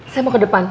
saya mau ke depan